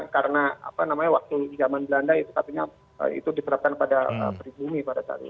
karena waktu zaman belanda itu diperhatikan pada perihumi pada saat itu